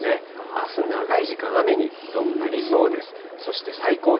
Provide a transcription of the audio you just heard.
あす、長い時間、雨にどうもなりそうです。